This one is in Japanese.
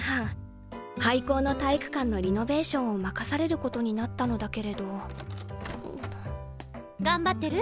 廃校の体育館のリノベーションを任されることになったのだけれど頑張ってる？